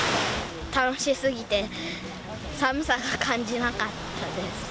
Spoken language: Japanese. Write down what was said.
楽しすぎて寒さ感じなかったです。